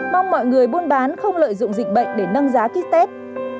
mong mọi người buôn bán không lợi dụng dịch bệnh để nâng giá kích test